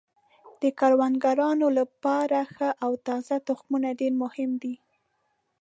د کروندګرانو لپاره ښه او تازه تخمونه ډیر مهم دي.